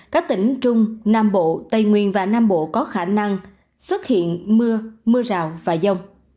các tỉnh trung nam bộ tây nguyên và nam bộ có khả năng xuất hiện mưa mưa rào và dông